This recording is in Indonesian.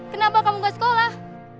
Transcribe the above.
kenapa kamu gak sekolah